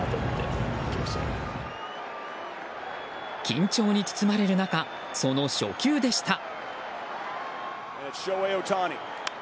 緊張に包まれる中その初球でした。